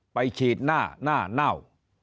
ฉีดหน้าหน้าเน่า